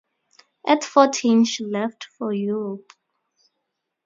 At fourteen, she left for Europe.